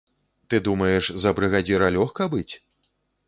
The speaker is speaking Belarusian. Ты думаеш, за брыгадзіра лёгка быць?